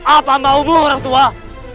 apa bau mu ratuan